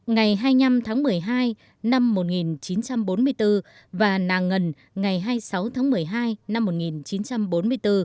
ngày hai mươi năm tháng một mươi hai năm một nghìn chín trăm bốn mươi bốn và nàng ngần ngày hai mươi sáu tháng một mươi hai năm một nghìn chín trăm bốn mươi bốn